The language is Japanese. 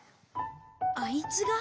あいつが？